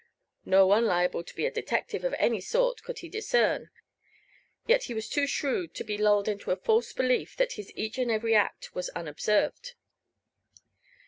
No one liable to be a detective of any sort could he discern; yet he was too shrewd to be lulled into a false belief that his each and every act was unobserved.